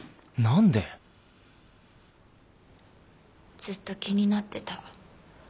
ずっと気になってた。